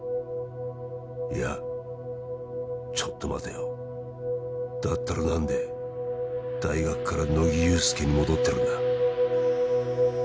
いやちょっと待てよだったら何で大学から乃木憂助に戻ってるんだ？